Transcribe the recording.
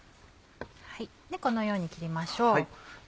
このように切りましょう。